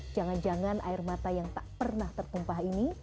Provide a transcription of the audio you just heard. jangan jangan air mata yang tak pernah tertumpah ini